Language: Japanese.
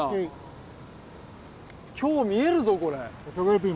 今日見えるぞこれ！